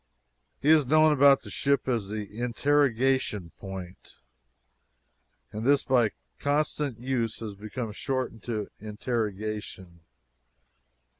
He is known about the ship as the "Interrogation Point," and this by constant use has become shortened to "Interrogation."